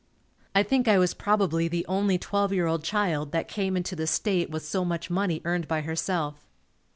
I think I was probably the only twelve year old child that came into the state with so much money earned by herself.